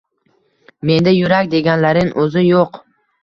Menda yurak deganlarin uzi yuq: